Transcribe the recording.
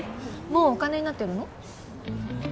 もうお金になってるの？